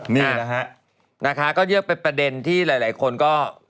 นี่นะฮะก็เยอะเป็นประเด็นที่หลายคนก็